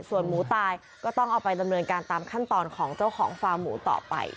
ส่วนหมูตายก็ต้องเอาไปดำเนินการตามขั้นตอนของเจ้าของฟาร์มหมูต่อไป